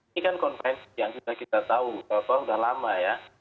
ini kan konferensi yang sudah kita tahu sudah lama ya